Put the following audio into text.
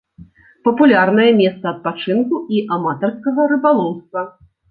Папулярнае месца адпачынку і аматарскага рыбалоўства.